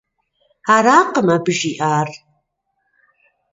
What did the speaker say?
Аракъым абы жиӏар.